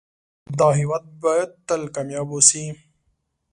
دا هيواد بايد تل کامیاب اوسی